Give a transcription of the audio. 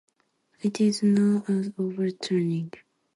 It is known as overturning.